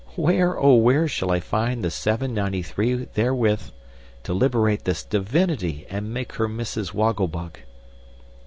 Where, oh where, shall I find the seven ninety three wherewith to liberate this divinity and make her Mrs. Woggle Bug?"